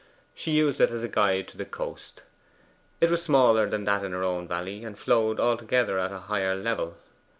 She used it as a guide to the coast. It was smaller than that in her own valley, and flowed altogether at a higher level.